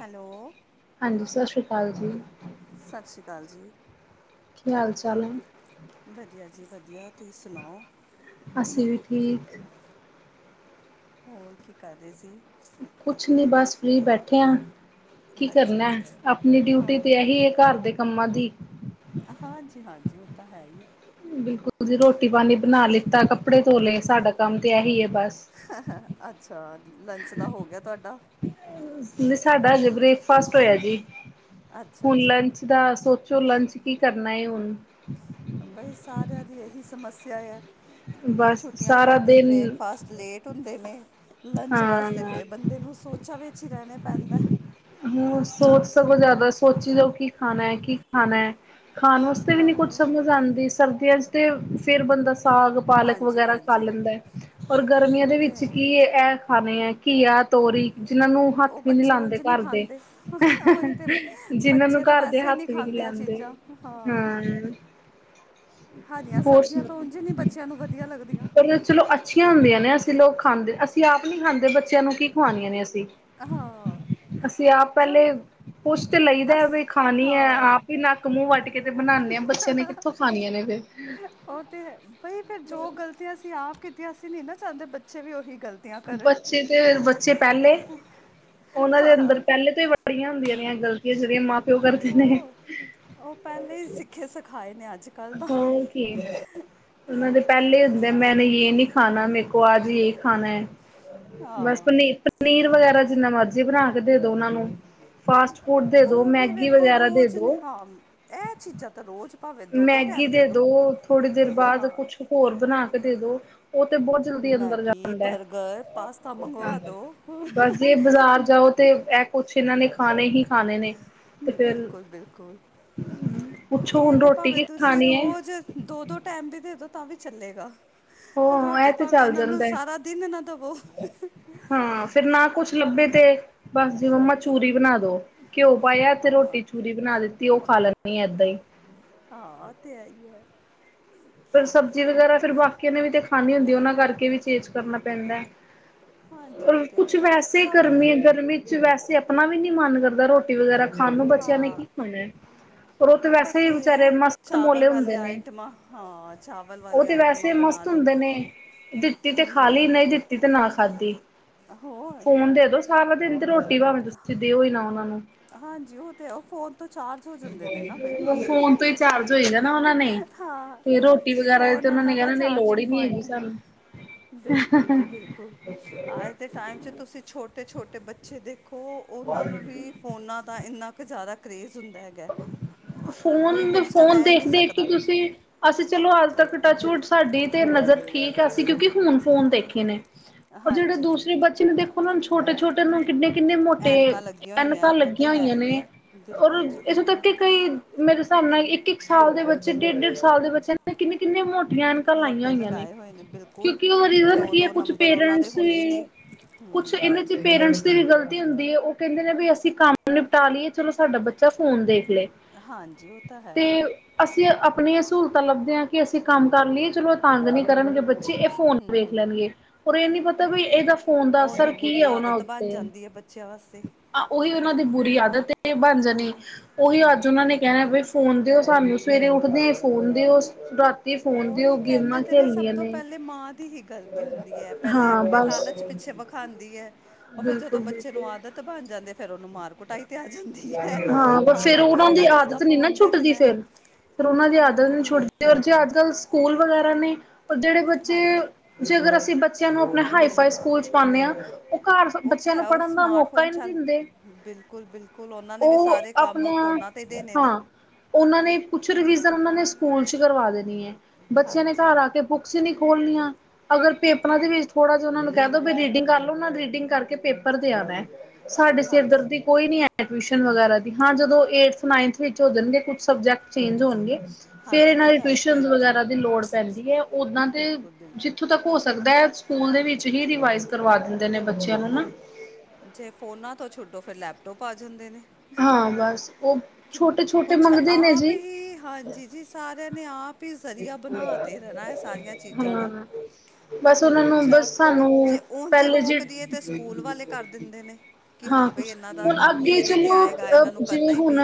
Hello ਸਤਿ ਸ੍ਰੀ ਅਕਾਲ ਜੀ। ਸਤਿ ਸ਼੍ਰੀ ਅਕਾਲ ਜੀ। ਕੀ ਹਾਲ ਚਾਲ ਹੈ। ਵਧੀਆ ਜੀ ਵਧੀਆ, ਤੁਹੀ ਸੁਣਾਓ। ਅਸੀਂ ਵੀ ਠੀਕ। ਹੋਰ ਕੀ ਕਰ ਰਹੇ ਸੀ? ਕੁਛ ਨਹੀਂ ਬਸ ਫ੍ਰੀ ਬੈਠੇ ਹਾਂ। ਕੀ ਅੱਛਾ ਕਰਨਾ ਅੱਛਾ। ਆਪਣੀ ਡਿਊਟੀ ਹਾਂ ਤੇ ਐ ਹੀ ਇਹ ਘਰ ਦੇ ਕੰਮਾਂ ਦੀ। ਹਾਂਜੀ ਹਾਂਜੀ, ਉਹ ਤਾਂ ਹੈ ਹੀ ਏ। ਬਿਲਕੁਲ ਜੀ ਰੋਟੀ ਪਾਣੀ ਬਣਾ ਲਿੱਤਾ, ਕੱਪੜੇ ਤੋਲੇ ਸਾਡਾ ਕੰਮ ਤੇ ਇਹੀ ਹੈ ਬਸ। ਅੱਛਾ ਲੰਚ ਦਾ ਹੋ ਗਿਆ ਤੁਹਾਡਾ? ਨਹੀਂ ਸਾਡਾ ਅਜੇ ਬ੍ਰੇਕਫਾਸਟ ਹੋਇਆ ਜੀ ਅੱਛਾ ਹੁਣ ਅੱਛਾ। ਲੰਚ ਦਾ ਸ ਪੁੱਛੋ ਲੰਚ ਕੀ ਕਰਨਾ ਹੈ ਹੁਣ। ਬਈ ਸਾਰਿਆਂ ਦੀ ਇਹੀ ਸਮੱਸਿਆ ਐ। ਬਸ ਛੁੱਟੀਆਂ ਸਾਰਾ ਕਰਕੇ ਦਿਨ ਬ੍ਰੇਕਫਾਸਟ ਲੇਟ ਹੁੰਦੇ ਨੇ। ਲੰਚ ਵਾਸਤੇ ਹਾਂ ਫੇਰ ਬੰਦੇ ਨੂੰ ਸੋਚਾ ਵਿੱਚ ਹੀ ਰਹਿਣਾ ਪੈਂਦਾ। ਹਮ ਸੋਚ ਸਗੋ ਜ਼ਿਆਦਾ ਸੋਚੀ ਜਾਓ ਕੀ ਖਾਣਾ ਹੈ ਕੀ ਖਾਣਾ ਹੈ ਖਾਣ ਵਾਸਤੇ ਵੀ ਨਹੀਂ ਆਹੋ। ਕੁਝ ਸਮਝ ਆਂਦੀ ਸਰਦੀਆਂ ਚ ਤੇ ਫੇਰ ਬੰਦਾ ਸਾਗ, ਪਾਲਕ ਹਾਂਜੀ ਵਗੈਰਾ ਖਾ ਹਾਂਜੀ ਲੈਂਦਾ ਹੈ ਔਰ ਗਰਮੀਆਂ ਉਹ ਦੇ ਤਾਂ ਹੈ ਵਿੱਚ ਹੀ। ਕੀ ਇਹ ਖਾਣੇ ਹੈ ਘੀਆ, ਤੋਰੀ ਜਿਹਨਾਂ ਨੂੰ ਹੱਥ ਉਹ ਵੀ ਨੀ ਬੱਚੇ ਲਾਂਦੇ। ਉਂਝ ਨਹੀਂ ਖਾਂਦੇ ਉਹੀ ਤੇ ਜਿਹਨਾਂ ਨੂੰ ਬੱਚੇ ਤਾਂ ਘਰ ਦੇ ਵੈਸੇ ਹੀ ਨਹੀਂ ਹੱਥ ਵੀ ਨੀ ਖਾਂਦੇ ਆ ਲਾਂਦੇ, ਚੀਜ਼ਾਂ ਹਾਂ। ਹਰੀਆਂ [inaudible] ਹੋਰ ਸਬਜ਼ੀਆਂ ਸੁਨਾ, ਤਾਂ ਉਂਝ ਹੀ ਨਹੀਂ ਬੱਚਿਆਂ ਨੂੰ ਵਧੀਆ ਲੱਗਦੀਆਂ ਪਰ ਚਲੋ ਅੱਛੀਆਂ ਹੁੰਦੀਆਂ ਨੇ ਅਸੀਂ ਲੋਕ ਖਾਂਦੇ, ਅਸੀਂ ਆਪ ਨਹੀਂ ਖਾਂਦੇ ਬੱਚਿਆਂ ਨੂੰ ਕੀ ਖਵਾਣੀਆ ਨੇ ਅਸੀਂ। ਆਹੋ। ਅਸੀਂ ਆਪ ਪਹਿਲੇ ਪੁਛ ਤੇ ਲਈਦਾ ਅਸ ਵੀ ਖਾਣੀ ਹਾਂ ਹੈ ਆਪ ਹੀ ਨੱਕ ਮੂੰਹ ਵੱਟ ਕੇ ਬਨਾਦੇ ਆ ਬੱਚਿਆਂ ਨੇ ਕਿੱਥੋਂ ਖਣੀਆਂ ਨੇ ਫਿਰ ਉਹ ਤੇ ਬਈ ਫਰ ਜੋ ਗ਼ਲਤੀਆਂ ਅਸੀਂ ਆਪ ਕੀਤੀਆਂ ਅਸੀਂ ਨ ਨਾ ਚਾਹੁੰਦੇ ਬੱਚੇ ਵੀ ਉਹੀ ਗਲਤੀਆਂ ਕਰਨ ਬੱਚੇ ਤੇ ਬੱਚੇ ਪਹਿਲੇ ਉਹਨਾਂ ਦੇ ਅੰਦਰ ਪਹਿਲੇ ਤੋਂ ਬੜੀਆਂ ਹੁੰਦੀਆਂ ਨੇਆਂ ਗਲਤੀਆਂ ਜਿਹੜੀਆਂ ਮਾ ਹੋਰ ਉਹ ਪਹਿਲੇ ਹੀ ਸਿੱਖੇ ਸਿਖਾਏ ਨੇ ਅੱਜ ਕੱਲ੍ਹ ਤਾਂ ਓਕੇ ਉਹ ਪਹਿਲੇ ਹੁੰਦੇ ਮੈਨ ਯ ਨੀ ਖਾਣਾ ਮੇਰੇ ਕੋਲ ਅੱਜ ਇਹ ਖਾਣਾ ਹੈ ਬਸ ਹਾਂ ਪਨੀਰ ਪਨੀਰ ਵਗੈਰਾ ਜਿੰਨਾ ਮਰਜੀ ਬਣਾ ਕੇ ਦੇ ਦੋ ਉਹਨਾਂ ਨੂੰ ਫਾਸਟ ਫੂਡ ਦੇ ਦੋ ਉਹ ਵੀ ਮੈਗੀ ਵੇਖੋ ਵਗੈਰਾ ਦੇ ਰੋਜ਼ ਦੋ ਹਾਂ ਇਹ ਚੀਜ਼ਾਂ ਤਾਂ ਰੋਜ਼ ਭਾਵੇਂ ਦੋ ਦੋ ਮੈਗੀ ਟਾਈਮ ਦੇ ਦੋ ਥੋੜੀ ਦੇਰ ਬਾਅਦ ਹਾਂ ਕੁਛ ਹੋਰ ਬਣਾ ਕੇ ਦੇ ਦੋ ਉਹ ਤੇ ਬਹੁਤ ਜਲਦੀ ਅੰਦਰ ਮੈਗੀ ਜਾਂਦਾ ਬਰਗਰ ਪਾਸਤਾ ਮੰਗਵਾ ਹੈ। ਦੋ ਬਸ ਜੇ ਬਾਜ਼ਾਰ ਜਾਓ ਤੇ ਇਹ ਕੁਛ ਇਹਨਾਂ ਨੇ ਖਾਣੇ ਹੀ ਖਾਣੇ ਨੇ ਤੇ ਫੇਰ ਬਿਲਕੁਲ ਬਿਲਕੁਲ ਪੁੱਛੋ ਇਹ ਹੁਣ ਤੇ ਰੋਟੀ ਭਾਵੇ ਕੀ ਤੁਸੀਂ ਖਾਣੀ ਹੈ ਰੋਜ਼ ਦੋ ਦੋ ਟਾਈਮ ਵੀ ਦੇਦੋ ਤਾਂ ਵੀ ਚੱਲੇਗਾ ਹੋ ਇਹ ਰੋਟੀ ਤੇ ਭਾਵੇਂ ਚੱਲ ਉਹਨਾਂ ਨੂੰ ਜਾਂਦਾ ਹੈ ਸਾਰਾ ਦਿਨ ਨਾ ਦਵੋ ਹਾਂ ਫਿਰ ਨਾ ਕੁਛ ਲੱਭੇ ਤੇ ਬਸ ਜੇ ਮੰਮਾ ਚੂਰੀ ਬਣਾ ਦੋ ਘਿਓ ਪਾਇਆ ਤੇ ਹਾਂ ਰੋਟੀ ਚੂਰੀ ਬਣਾ ਦਿੱਤੀ ਤੇ ਉਹ ਖਾ ਲੈਂਦੀ ਆ ਏਦਾਂ ਹੀ ਹਾਂ ਤੇ ਆ ਹੈ ਫਿਰ ਸਬਜ਼ੀ ਵਗੈਰਾ ਫਿਰ ਬਾਕੀਆਂ ਨੇ ਵੀ ਤੇ ਖਾਨੀ ਹੁੰਦੀ ਉਹਨਾਂ ਕਰਕੇ ਵੀ ਚੇਂਜ ਕਰਨਾ ਪੈਂਦਾ ਹੈ ਹਾਂਜੀ ਇਹ ਰ ਤੇ ਹੈ ਕੁਛ ਹੀ ਹੈ। ਵੈਸੇ ਸਭ ਗਰਮੀ ਗਰਮੀ ਚ ਵੈਸੇ ਆਪਣਾ ਵੀ ਨੀ ਮਨ ਕਰਦਾ ਰੋਟੀ ਵਗੈਰਾ ਖਾਣ ਨੂੰ ਬੱਚਿਆਂ ਨੇ ਹਾਂ ਕੀ ਖਾਣਾ ਹੈ ਉਹ ਬਸ ਇਹ ਹੈ ਚਾਵਲ ਹੁੰਦੇ ਵਾਲੀਆਂ ਨੇ ਆਈਟਮਾਂ ਹਾਂ ਚਾਵਲ ਉਹ ਵਾਲੀ ਤੇ ਆਈਟਮਾਂ ਵੈਸੇ ਬਣਾ ਮਸਤ ਲਓ ਹੁੰਦੇ ਨੇ ਦਿੱਤੀ ਤੇ ਖਾ ਲਈ ਨਹੀਂ ਦਿੱਤੀ ਤੇ ਨਾ ਖਾਧੀ ਹੋਰ ਫੋਨ ਦੇ ਦੋ ਸਾਰਾ ਦਿਨ ਤੇ ਰੋਟੀ ਭਾਵੇਂ ਤੁਸੀਂ ਦਿਓ ਹੀ ਨਾ ਉਹਨਾਂ ਨੂੰ ਹਾਂਜੀ ਉਹ ਤੇ ਉਹ ਫੋਨ ਤੋਂ ਚਾਰ ਹੋ ਜਾਂਦੇ ਨੇ ਨਾ ਬਈ ਫੋਨ ਤੋਂ ਹੀ ਚਾਰਜ ਹੋਏਗਾ ਨਾ ਉਹਨਾਂ ਨੇ ਹਾਂ ਫੋਨਦਾ ਇਹਨਾਂ ਨੇ ਲੋੜ ਹੀ ਨੀ ਹੈਗੀ ਸਾਨੂੰ ਬਿਲਕੁਲ ਜੀ ਬਿਲਕੁਲ ਅੱਜ ਦੇ ਟਾਈਮ ਚ ਤੁਸੀਂ ਛੋਟੇ ਛੋਟੇ ਬੱਚੇ ਦੇਖ ਦੇਖੋ ਉਹਨਾਂ ਨੂੰ ਵੀ ਤਾਂ ਇੰਨਾ ਕੁ ਜ਼ਿਆਦਾ ਕਰੇਜ਼ ਹੁੰਦਾ ਹੈਗਾ ਕਿ ਕੋਈ ਫੋਨ ਬੱਚਾ ਫੋਨ ਰਹਿ ਹੀ ਨਹੀਂ ਦੇਖਦੇਖ ਸਕਦਾ ਕਿ ਤੁਸੀਂ ਅਸੀਂ ਚਲੋ ਅੱਜ ਤੱਕ ਟੱਚਵੁਟ ਸਾਡੀ ਤੇ ਨਜ਼ਰ ਠੀਕ ਹੈ ਅਸੀਂ ਕਿਉਂਕਿ ਹੁਨ ਫੋਨ ਦੇਖੇ ਨੇ ਉਹ ਜਿਹੜੇ ਹਾਂਜੀ ਦੂਸਰੇ ਬੱਚੇ ਨੇ ਦੇਖੋ ਉਹ ਨੂੰ ਛੋਟੇ ਛੋਟੇ ਨੂੰ ਕਿੰਨੇ ਕਿੰਨੇ ਮੋਟੇ ਐਨਕਾਂ ਲੱਗੀਆਂ ਐਨਕਾਂ ਹੋਈਆਂ ਉਹ ਤਾਂ ਲੱਗੀਆਂ ਹੈ ਹੋਈਆਂ ਹੀ ਨੇ ਹੈ ਔਰ ਬਿਲਕੁਲ ਜੀ ਇੱਥੋਂ ਤੱਕ ਬਿਲਕੁਲ ਕਿ ਕਈ ਮੇਰੇ ਹਿਸਾਬ ਨਾਲ ਇੱਕ ਇੱਕ ਸਾਲ ਦੇ ਬੱਚੇ ਡੇਢ ਡੇਢ ਸਾਲ ਦੇ ਬੱਚੇ ਕਿੰਨੇ ਕਿੰਨੇ ਮੋ ਟੀਆਂ ਐਨਕਾਂ ਲਾਈਆਂ ਮੋਟੇ ਹੋਈਆਂ ਨੇ ਲਗਾਏ ਹੋਏ ਬਿਲਕੁਲ ਕਿਉਂਕਿ ਉਹ ਦੋ ਕੀ ਹੈ ਦੋ ਕੁਛ ਨੰਬਰ ਉਹਨਾਂ ਦੇ ਪੇਰੈਂਟਸ ਹੁਣੇ ਹੀ ਨੇ ਵੀ ਕੁਛ ਹੂੰ ਇਹਨਾਂ ਚ ਪੇਰੈਂਟਸ ਦੀ ਵੀ ਗਲਤੀ ਹੁੰਦੀ ਹੈ ਉਹ ਕਹਿੰਦੇ ਨੇ ਵੀ ਅਸੀਂ ਕੰਮ ਨਿਪਟਾ ਲਈਏ ਚਲੋ ਸਾਡਾ ਬੱਚਾ ਫੋਨ ਦੇਖ ਲਏ ਹਾਂਜੀ ਉਹ ਤਾਂ ਹੈ ਤੇ ਅ ਆਪਣੀਆਂ ਸਹੂਲਤਾਂ ਲੱਭਦੇ ਆ ਕਿ ਅਸੀਂ ਕੰਮ ਕਰ ਲਈਏ ਚਲੋ ਤੰਗ ਨਹੀ ਕਰਨਗੇ ਬ ਅ ਇਹ ਫੋਨ ਹੂੰ ਵੇਖ ਹੂੰ ਲੈਣਗੇ ਰ ਇਹ ਨੀ ਪਤਾ ਬ ਇਹਦਾ ਫੋਨ ਦਾ ਉਹੀ ਅਸਰ ਕੀ ਬੁਰੀ ਆ ਉਹਨਾਂ ਆਦਤ ਬਣ ਉੱਤੇ ਜਾਂਦੀ ਹੈ ਬੱਚਿਆਂ ਵਾਸਤੇ ਉਹੀ ਉਹਨਾਂ ਦੀ ਬੁਰੀ ਆਦਤ ਤੇ ਬਣ ਜਾਣੀ ਉਹੀ ਅੱਜ ਉਹਨਾਂ ਨੇ ਕਹਿਣਾ ਵੀ ਫੋਨ ਦਿਓ ਸਾਨੂੰ ਸਵੇਰੇ ਉੱਠਦੇ ਫੋਨ ਦਿਓ ਫੋਨ ਦਿਓ ਉਹੀ ਕਹਿੰਦੇ ਗੇਮਾਂ ਤੇ ਨੇ ਸਭ ਖੇਲਣੀਆਂ ਤੋਂ ਪਹਿਲੇ ਮਾਂ ਦੀ ਹੀ ਗਲਤੀ ਹੁੰਦੀ ਹੈ ਪਹਿਲੇ ਹਾਂ ਆਪਣੇ ਬਸ ਲਾਲਚ ਪ ਵਿਖਾਉਦੀ ਉਹ ਫਿਰ ਜਦੋਂ ਬਿਲਕੁਲ ਬੱਚੇ ਨੂੰ ਬਿਲਕੁਲ ਆਦਤ ਤਾਂ ਬਣ ਜਾਂਦੇ ਫ਼ੇਰ ਉਹਨੂੰ ਮਾਰ ਕੁਟਾਈ ਤੇ ਆ ਜਾਂਦੀ ਹੈ ਪਰ ਹਾਂ ਫੇਰ ਹਾਂ ਤੂੰ ਉਹਨਾਂ ਦੀ ਇੰਨਾ ਜ਼ਿਆਦਾ ਆਦਤ ਨੀ ਨਾ ਫੋਨ ਛੁੱਟਦੀ ਦੇਖਣਾ ਫੇਰ ਫਿਰ ਉਹਨਾਂ ਦੀ ਹੋਰ ਆਦਤ ਨ ਕੀ ਛੱਟਦੀ ਜੇ ਅੱਜ ਕੱਲ ਸਕੂਲ ਵਗੈਰਾ ਨੇ ਰ ਜਿਹੜੇ ਬੱਚੇ ਹਾਂਜੀ ਜੇ ਅਗਰ ਅਸੀਂ ਬੱਚਿਆਂ ਨੂੰ ਆਪਣੇ ਹਾਈਫਾਈ ਸਕੂਲ ਚ ਪਾਉਦੇ ਹਾਂ ਉਹ ਘਰ ਉਹ ਤੇ ਬੱਚਿਆਂ ਨੂੰ ਹੈ ਉਹ ਪੜ੍ਹਨ ਦਾ ਮੌਕਾ ਸਮਾਰਟਫੋਨ ਹੀ ਨਹੀਂ ਚੱਲ ਦਿੰਦੇ ਬਿਲਕੁਲ ਬਿਲਕੁਲ ਉਹਨਾਂ ਨੇ ਵੀ ਉਹ ਸਾਰੇ ਕੰਮ ਆਪਣਾ ਫੋਨਾ ਤੇ ਦੇਣੇ ਨੇ ਹਾਂ ਉਹਨਾਂ ਨੇ ਪੁੱਛ ਰਹੀ ਸਰ ਉਹਨਾਂ ਨੇ ਸਕੂਲ ਚ ਕਰਵਾ ਦੇਣੀ ਹੈ ਬੱਚਿਆਂ ਨੇ ਘਰ ਹਾਂਜੀ ਆ ਕੇ ਬੁੱਕਸ ਹੀ ਨੀ ਖੋਲਣੀਆਂ ਅਗਰ ਪੇਪਰਾਂ ਦੇ ਵਿੱਚ ਥੋੜਾ ਜਹਾ ਉਹਨਾ ਨੂੰ ਕਹਿ ਦੋ ਵੀ ਰੀਡਿੰਗ ਕਰ ਲਓ ਰੀਡਿੰਗ ਕਰਕੇ ਪੇਪਰ ਤੇ ਆਉ ਸਿਰ ਦਰਦੀ ਹਾਂਜੀ ਕੋਈ ਨੀ ਹੈ ਟਿਊ ਵਗੈਰਾ ਦੀ ਹਾਂ ਜਦੋਂ ਏਟਥ ਨਾਈਨਥ ਵਿੱਚ ਹੋ ਜਾਣਗੇ ਕੁਛ ਸਬਜੈਕਟ ਚੇਂਜ ਹੋਣਗੇ ਫੇਰ ਹਾਂਜੀ ਇਹਨਾਂ ਉਹ ਦੀ ਤਾਂ ਹੈ ਟਿਊਸ਼ਨ ਫਿਰ ਜਿ- ਵਗੈਰਾ ਦੀ ਲੋੜ ਪੈਂਦੀ ਹੈ ਓਦਾਂ ਦੇ ਬਿਲਕੁਲ ਬਿਲਕੁਲ ਜਿੱਥੋਂ ਤੱਕ ਹੋ ਸਕਦਾ ਹੈ ਸਕੂਲ ਦੇ ਵਿੱਚ ਹੀ ਰਿਵਾਇਜ਼ ਕਰਵਾ ਦਿੰਦੇ ਨੇ ਬੱਚਿਆਂ ਨੂੰ ਨਾ ਹਾਂਜੀ ਜੇ ਫੋਨਾਂ ਤੋਂ ਛੋਡੋ ਫੇਿਰ ਲੈਪਟੋਪ ਆ ਜਾਂਦੇ ਨੇ ਹਾਂ ਬਸ ਉਹ ਕਿ ਛੋਟੇ ਛੋਟੇ ਕੁਛ ਮੰਗਦੇ ਨੇ ਆਪ ਜੀ ਹੀ ਹਾਂਜੀ ਜੀ ਸਾਰਿਆਂ ਨੇ ਆਪ ਹੀ ਜ਼ਰੀਆ ਬਣਾ ਤੇ ਰਹਿਣਾ ਇਹ ਸਾਰੀਆਂ ਚੀਜ਼ਾਂ ਦਾ ਹਾਂ ਬਸ ਉਹਨਾਂ ਨੂੰ ਬਸ ਸਾਨੂੰ ਉਝ ਪਹਿਲੇ ਜ ਰੋਕਦੀ ਤੇ ਸਕੂਲ ਵਾਲੇ ਕਰ ਦਿੰਦੇ ਨੇ ਕਿ ਹਾਂ ਬਈ ਕੁਛ ਇਹਨਾਂ ਦਾ ਹੁਣ ਕੰਮ ਹੀ ਅੱਗੇ ਇਹਦੇ ਤੇ ਚਲੋ ਆਏਗਾ ਅ ਇਹਨਾਂ ਨੂੰ ਕਰਨਾ ਜਿਵੇਂ ਹੀ ਪ ਹੁਣ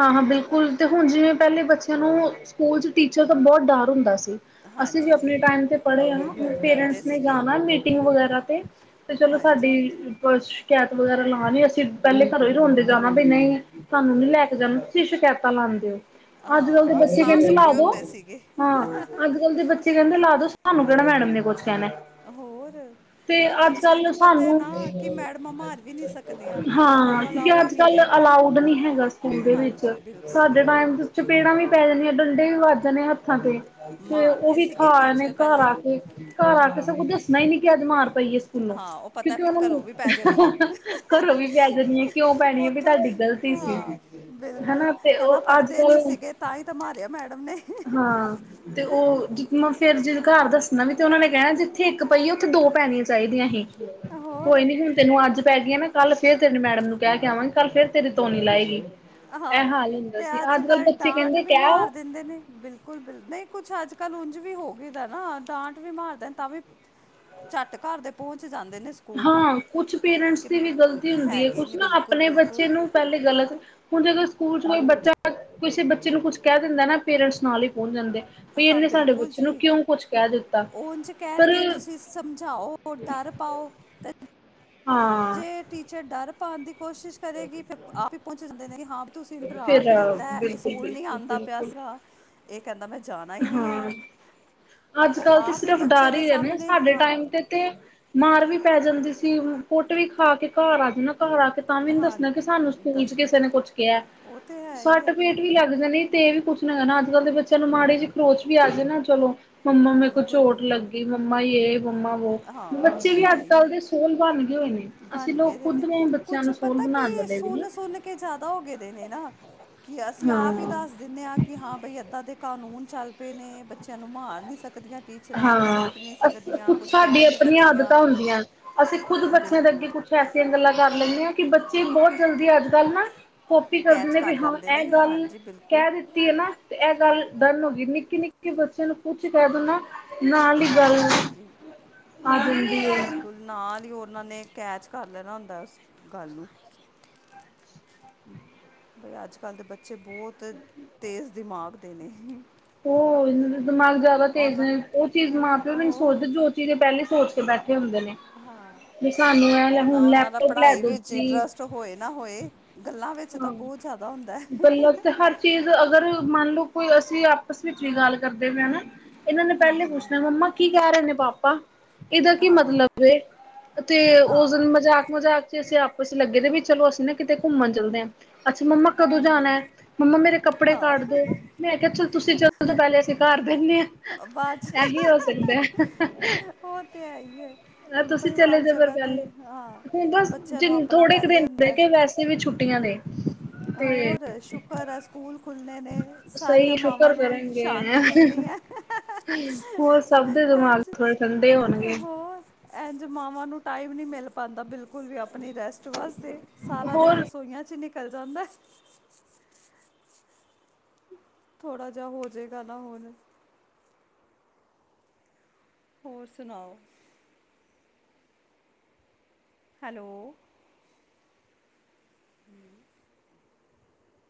ਹਾਂ ਹਾਂ ਬਿਲਕੁਲ ਤੇ ਹੁਣ ਜਿਵੇਂ ਪਹਿਲੇ ਬੱਚਿਆਂ ਨੂੰ ਸਕੂਲ ਚ ਟੀਚਰ ਦਾ ਬਹੁਤ ਡਰ ਹੁੰਦਾ ਸੀ ਅਸੀਂ ਵੀ ਹਾਂਜੀ ਆਪਣੇ ਜੀ ਟਾਈਮ 'ਤੇ ਪੜ੍ਹੇ ਹਾਂ ਡਰਦੇ ਪੇਰੈਂਟਸ ਨੇ ਸੀਗੇ ਜਾਣਾ ਮੀਟਿੰਗ ਵਗੈਰਾ 'ਤੇ ਤੇ ਚਲੋ ਹਾਂਜੀ ਸਾਡੀ ਹਾਂਜੀ ਸ਼ਿਕਾਇਤ ਵਗੈਰਾ ਲਾ ਨੀ ਅਸੀਂ ਪਹਿਲੇ ਘਰੋਂ ਹੀ ਰੋਂਦੇ ਜਾਣਾ ਬਨਾਂ ਸਾਨੂੰ ਨੀ ਲੈ ਕੇ ਜਾਣਾ ਤੁਸੀਂ ਸ਼ਿਕਾਇਤਾਂ ਲਾਦੇ ਹੋ ਅੱਜ ਕੱਲ ਦੇ ਹਾਂ ਬੱਚੇ ਸਾਹ ਕਹਿੰਦੇ ਲਾ ਸੁੱਕੇ ਦੋ ਹੁੰਦੇ ਸੀਗੇ ਹਾਂ ਅੱਜ ਕੱਲ ਦੇ ਬੱਚੇ ਕਹਿੰਦੇ ਲਾ ਦੋ ਸਹਾਨੂੰ ਕਿਹਣਾ ਮੈਡਮ ਨੇ ਕੁਛ ਕਹਿਣਾ ਹੋਰ ਤੇ ਬਈ ਅੱਜ ਬੱਚਿਆਂ ਕੱਲ ਨੂੰ ਪਤਾ ਹੈ ਸਾਨੂੰ ਨਾ ਕਿ ਮੈਡਮਾਂ ਮਾਰ ਵੀ ਨਹੀਂ ਸਕਦੀਆਂ ਉਹਨਾਂ ਹਾਂ ਨੂੰ ਕਿਉਂਕਿ ਅਲਾਉਡ ਅੱਜ ਨਹੀਂ ਕੱਲ ਹੈ ਅਲਾਊਡ ਨੀ ਹੈਗਾ ਸਕੂਬੇ ਵਿੱਚ ਹਾਂਜੀ ਬਿਲਕੁਲ ਸਾਡੇ ਟਾਈਮ ਬਿਲਕੁਲ ਚਪੇੜਾਂ ਵੀ ਪੈ ਜਾਂਦੀਆਂ ਡੰਡੇ ਵੀ ਵੱਜ ਜਾਂਣੇ ਆ ਹੱਥਾਂ ਤੇ ਤੇ ਉਹ ਮਾਰਦੇ ਵੀ ਸੀਗੇ ਖਾਏ ਨੇ ਟੀਚਰ ਘਰ ਪਹਿਲੇ ਆ ਕੇ ਘਰ ਆ ਕੇ ਹਾਂ ਸ ਕੁਝ ਦੱਸਣਾ ਹੀ ਨੀ ਕਿ ਅੱਜ ਮਾਰ ਕੇ ਪਈ ਹੈ ਸਕੂਲੋਂ ਹਾਂ ਉਹ ਪਤਾ ਕਿਉਂਕਿ ਫਿਰ ਉਹਨੂੰ ਘਰੋਂ ਵੀ ਪੈ ਜਾਣੀ ਹੈ ਘਰੋਂ ਵੀ ਪੈ ਜਾਂਣੀ ਆ ਕਿਉਂ ਪੈਣੀ ਹੈ ਵੀ ਉੱਥੋਂ ਤੁਹਾਡੀ ਗ਼ਲਤੀ ਸੀ ਹਾਂ ਬਿਲਕੁਲ ਹਨਾ ਤੇ ਕਹਿੰਦਾ ਉਹ ਅੱਜ ਪੜ੍ਹਦੇ ਨੀ ਕੱਲ ਸੀਗੇ ਤਾਂ ਹੀ ਤਾਂ ਮਾਰਿਓ ਮੈਡਮ ਨੇ ਹਾਂ ਤੇ ਉਹ ਜ ਫੇਰ ਜ ਘਰ ਦੱਸਣਾ ਵੀ ਤੇ ਉਹਨਾਂ ਨੇ ਕਹਿਣਾ ਜਿੱਥੇ ਇੱਕ ਪਈਏ ਉੱਥੇ ਦੋ ਪੈਣੀਆਂ ਚਾਹੀਦੀਆਂ ਸੀ ਹੋਰ ਕੋਈ ਨੀ ਹੁਣ ਤੈਨੂੰ ਅੱਜ ਪੈ ਗਈਆਂ ਨਾ ਕੱਲ ਫਰ ਤੇਰੇ ਮੈਡ ਨੂੰ ਕਹਿ ਕੇ ਆਵਾਂਗੇ ਕੱਲ ਫੇਰ ਤੇਰੇ ਤੋਨੀ ਲਾਏਗੀਈ ਇਹ ਹਾਂ ਹਾਲ ਹੁੰਦਾ ਤੇ ਸੀ ਅੱਜ ਕੱਲ ਬੱਚੇ ਡਾਂਟ ਕਹਿੰਦੇ ਵੀ ਕਹਿ ਮਾਰ ਦਿੰਦੇ ਨੇ ਬਿਲਕੁਲ ਬਿਲਕੁਲ ਨਹੀਂ ਕੁਛ ਅੱਜ ਕੱਲ ਉਝ ਵੀ ਹੋ ਗਈ ਦਾ ਨਾ ਡਾਂਟ ਵੀ ਮਾਰਦਾ ਤਾਂ ਵੀ ਝੱਟ ਘਰ ਦੇ ਪਹੁੰਚ ਜਾਂਦੇ ਨੇ ਸਕੂਲ ਹਾਂ ਕੁਛ ਪੇਰੈਂਟਸ ਕਿ ਦੀ ਵੀ ਗ਼ਲਤੀ ਹੁੰਦੀ ਹੈ ਹੈਗੇ ਕੁਛ ਨੇ ਨਾ ਬਿਲਕੁਲ ਆਪਣੇ ਬਿਲਕੁਲ ਬੱਚੇ ਨੂੰ ਪਹਿਲੇ ਗਲਤ ਹੁਣ ਜੇਕਰ ਸਕੂਲ ਚ ਕੋਈ ਬੱਚਾ ਕਿਸੇ ਬੱਚੇ ਨੂੰ ਕੁਛ ਕਹਿ ਦਿੰਦਾ ਨਾ ਪੇਰੈਂਟਸ ਨਾਲ ਹੀ ਪਹੁੰਚ ਜਾਂਦੇ ਵੀ ਹਾਂ ਇਹਨੇ ਸਾਡੇ ਬਿਲਕੁਲ ਬੱਚੇ ਨੂੰ ਜੀ ਕਿਉਂ ਕੁਛ ਕਹਿ ਦਿੱਤਾ ਉੰਝ ਪਰ ਕਹਿਣਗੇ ਤੁਸੀਂ ਸਮਝਾਓਦ ਪਾਓ ਹਾਂ ਜੇ ਟੀਚਰ ਡਰ ਪਾਉਣ ਦੀ ਕੋਸ਼ਿਸ਼ ਕਰੇਗੀ ਫਿਰ ਆਪ ਹੀ ਪਹੁੰਚ ਜਾਂਦੇ ਨੇ ਹਾਂ ਤੁਸੀਂ ਡਰਾ ਫਿਰ ਕਿਉਂ ਦਿੱਤਾ ਹੈ ਇਹ ਬਿਲਕੁਲ ਸਕੂਲ ਨੀ ਬਿਲਕੁਲ ਆਉਂਦਾ ਪਿਆ ਬਿਲਕੁਲ ਸੀਗਾ ਇਹ ਕਹਿੰਦਾ ਮੈਂ ਜਾਣਾ ਹੀ ਨਹੀਂ ਹਾਂ ਹੈ ਅੱਜ ਉਹ ਕੱਲ ਤੇ ਆਪ ਹੀ ਸਿਰਫ ਬੱਚੇ ਡਰ ਦੇ ਹੀ ਰਹੇਣੇ ਸਾਹਮਣੇ ਸਾਡੇ ਹਾਂ ਟਾਈਮ ਤੇ ਤੇ ਮਾਰ ਵੀ ਪੈ ਜਾਂਦੀ ਸੀ ਕੁੱਟ ਵੀ ਖਾ ਕੇ ਘਰ ਆ ਜਾਂਣਾ ਘਰ ਆ ਕੇ ਤਾਂ ਵੀ ਨੀ ਹਾਂ ਦੱਸਣਾ ਕਿ ਸਾਨੂੰ ਸਕੂਲ ਦੱਸ ਚ ਕਿਸੇ ਨੇ ਕੁਛ ਕਿਹਾ ਉਹ ਤੇ ਹੈ ਹੀ ਸੱਟ ਹੈ ਪੇਟ ਵੀ ਲੱਗ ਜਾਣੀ ਤੇ ਇਹ ਵੀ ਕੁਛ ਨਾ ਹੈਣਾ ਅੱਜ ਕੱਲ ਦੇ ਬੱਚਿਆਂ ਨੂੰ ਮਾੜੇ ਚ ਖਰੋਚ ਵੀ ਆ ਜਾਏ ਨਾ ਚਲੋ ਮੰਮਾ ਮੇਰੇ ਕੋ ਬਿਲਕੁਲ ਚੋਟ ਬਿਲਕੁਲ ਲੱਗੀ ਮੰਮਾ ਯ ਮੰਮਾ ਵੋ ਹਾਂ ਉਹ ਬੱਚੇ ਤੇ ਵੀ ਹੈ ਅੱਜ ਹੀ ਕੱਲ੍ਹ ਹੈ ਦੇ ਸੂਲ ਬਣ ਗਏ ਹੋਏ ਨੇ ਅਸੀਂ ਬਣ ਲੋਕ ਗਏ ਦੇ ਖੁਦ ਨੇ ਬੱਚਿਆਂ ਕੁਛ ਨੂੰ ਸੋਲ ਪਤਾ ਬਣਾਉਣ ਕੀ ਵਾਲੇ ਵੀ ਨੇ ਸੁਨ ਸੁਨ ਕੇ ਜ਼ਿਆਦਾ ਹੋ ਗਏ ਦੇ ਨੇ ਨਾ ਕਿ ਅਸੀਂ ਆਪ ਹੀ ਹਾਂ ਦੱਸ ਦਿੰਦੇ ਹਾਂ ਕਿ ਹਾਂ ਬਈ ਏਦਾਂ ਦੇ ਕਾਨੂੰਨ ਚੱਲ ਪਏ ਨੇ ਬੱਚਿਆਂ ਨੂੰ ਮਾਰ ਨਹੀਂੀ ਸਕ ਹਾਂ ਅ ਕੁ ਕੁਝ ਸਾਡੀ ਕਹਿ ਨਹੀਂ ਆਪਣੀਆਂ ਆਦਤਾਂ ਸਕਦੀਆਂ ਹੁੰਦੀਆਂ ਹਨ ਅਸੀਂ ਖੁਦ ਬੱਚਿਆਂ ਅੱਗੇ ਬਿਲਕੁਲ ਕੁਛ ਐਸੀਆ ਗੱਲਾਂ ਕਰ ਲੈਨੇ ਆ ਕਿ ਬੱਚੇ ਬੋਤ ਜਲਦੀ ਅੱਜ ਕੱਲ ਨਾ ਕੋਪੀ ਕਰ ਕੈਚ ਦਿਨੇ ਵੀ ਹਾਂ ਲੈਂਦੇ ਐ ਨੇ ਗੱਲ ਹਾਂਜੀ ਬਿਲਕੁਲ ਕੈ ਦਿੱਤੀ ਏ ਨਾ, ਤੇ ਐ ਗੱਲ ਡਨ ਹੋਗੀ। ਕਿ ਨਿੱਕੇ-ਨਿੱਕੇ ਬੱਚਯਾ ਨੂੰ ਕੁੱਛ ਕੈ ਦੋ ਨਾ ਨਾਲ ਹੀ ਗੱਲ ਹਾਂਜੀ, ਹਾਂਜੀ, ਆ ਜਾਂਦੀ ਹੈ। ਬਿਲਕੁਲ ਨਾਲ ਈ ਓਨਾਂ ਨੇ ਕੈਚ ਕਰ ਲੈਨਾ ਹੁੰਦੈ ਉਸੇ ਗੱਲ ਨੂੰ ਬਈ ਅੱਜ-ਕੱਲ ਦੇ ਬੱਚੇ ਬੋਤ ਤੇਜ਼ ਦਿਮਾਗ ਦੇ ਨੇ। ਓ ਦਿਮਾਗ ਜਾਦਾ ਤੇਜ ਉਹਨਾਂ ਨੇ ਓ ਚੀਜ਼ ਮਾਂ-ਪਿਓ ਵੀ ਨੀ ਹੋਰ ਸੋਚਦੇ ਜੋ ਚੀਜ਼ ਏ ਪੈਲੇ ਸੋਚ ਕੇ ਬੈਠੇ ਹੁੰਦੇ ਨੇ। ਹਾਂ, ਵੀ ਸਾਨੂੰ ਇਹ ਓਨਾਂ, ਹੁਣ ਓਨਾਂ ਦਾ ਲੈਪਟੋਪ ਲੈ ਪੜਾਈ ਦੋ ਵਿੱਚ ਜੀ ਇੰਟਰਸਟ ਹੋਏ ਨਾ ਹੋਏ ਗੱਲਾਂ ਵਿੱਚ ਤਾਂ ਹਾਂ, ਬਹੁਤ ਜ਼ਿਆਦਾ ਹੁੰਦਾ ਹੈ ਗੱਲਤ ਤੇ ਹਰ ਚੀਜ਼ ਅਗਰ ਮੰਨ ਲਓ ਕੋਈ ਅਸੀ ਆਪਸ ਵਿੱਚ ਵੀ ਗੱਲ ਕਰਦੇ ਪਏ ਆ ਨਾ, ਏਨਾ ਨੇ ਪੈਲੇ ਪੁੱਛਨਾ ਮੰਮਾ ਕੀ ਕੈ ਰੇ ਨੇ ਪਾਪ [unintelligible] ਏਦਾ ਕੀ ਹਾਂ ਮਤਲਬ ਏ, ਤੇ ਓਸ ਹਾਂ ਦਿਨ ਮਜ਼ਾਕ-ਮਜ਼ਾਕ ਚ ਅਸੀ ਆਪ ਕੁਛ ਲੱਗੇ ਤੇ ਵੀ ਚਲੋ ਅਸੀ ਨਾ ਕਿਤੇ ਘੁੰਮਨ ਚੱਲਦੇ ਆ। ਅੱਛਾ ਮੰਮਾ ਕਦੋ ਜਾਨੈ, ਮੰਮਾ ਮੇਰੇ ਕੱਪੜੇ ਕੱਢ ਹਾਂ ਦੇ, ਮੈਂ ਕੇਆ ਚਲ ਤੁਸੀ ਚਲੇ ਜੋ ਪੈਲੇ, ਅਸੀ ਘਾਰ ਬੈਨੇ ਆ। ਬਾਦ ਚ ਓ ਤੇ ਹੈ ਈ ਏ। ਮਲਬ ਤੁਸੀ ਚਲੇ ਜਾਓ ਫੇਰ ਪੈਲੇ, ਬਸ ਬੱਚਿਆਂ ਨੂੰ ਜਿਨ ਆਪਣਾ ਥੋੜੇ ਕੋ ਪਹਿਲੇ ਦਿਨ ਹੁੰਦਾ ਹੈ ਰੈਗੇ ਵੈਸੇ ਵੀ ਛੁੱਟੀਆਂ ਨੇ ਤੇ ਹੋਰ ਸ਼ੁਕਰ ਆ ਸਕੂਲ ਖੁੱਲ [unintelligible] ਨੇ ਸਾਰੀਆਂ ਸਹੀ ਮਾਵਾਂ ਸ਼ੁਕਰ ਨੂੰ ਕਰਨਗੇ ਸ਼ਾਂਤੀ ਮਿਲਨੀ ਐ। [unintelligible] ਹੋਨਗੇ। ਐਂਜ ਮਾਵਾਂ ਨੂੰ ਟਾਈਮ ਨੀ ਮੇੱਲ ਪਾਂਦਾ ਬਿਲਕੁਲ ਵੀ ਆਪ ਅਪਨੀ ਰੈਸਟ ਵਾਸਤੇ, ਸਾਰਾ ਦਿਨ ਹੋਰ ਰਸੋਈਆਂ ਚ ਨਿਕਲ ਜਾਂਦੈ। ਥੋੜਾ ਜਾ ਹੋਜੇਗਾ ਨਾ ਹੋਰ ਹੋਰ ਸੁਨਾਓ ਹੈਲੋ। [unintelligible]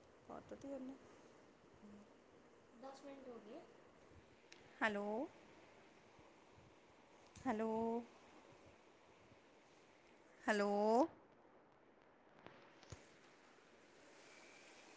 [unintelligible] ਹੈਲੋ। ਹੈਲੋ। ਹੈਲੋ।